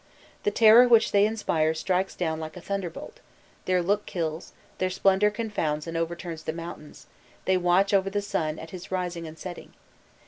The terror which they inspire strikes down like a thunderbolt; their look kills, their splendour confounds and overturns the mountains; they watch over the sun at his rising and setting.